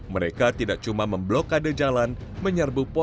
mereka tidak cuma memblokade jalan menyerbu pos tentang perang